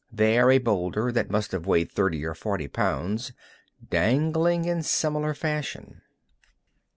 There a boulder that must have weighed thirty or forty pounds, dangling in similar fashion.